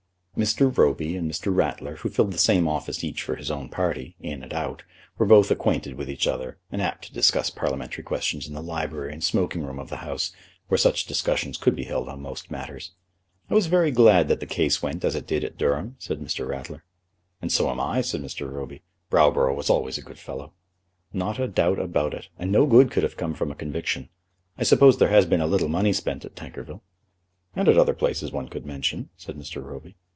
Mr. Roby and Mr. Ratler, who filled the same office each for his own party, in and out, were both acquainted with each other, and apt to discuss parliamentary questions in the library and smoking room of the House, where such discussions could be held on most matters. "I was very glad that the case went as it did at Durham," said Mr. Ratler. "And so am I," said Mr. Roby. "Browborough was always a good fellow." "Not a doubt about it; and no good could have come from a conviction. I suppose there has been a little money spent at Tankerville." "And at other places one could mention," said Mr. Roby.